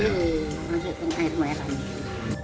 iya masuk ke air merah